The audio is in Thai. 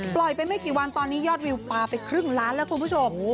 ปล่อยไปไม่กี่วันตอนนี้ยอดวิวปลาไปครึ่งล้านแล้วคุณผู้ชม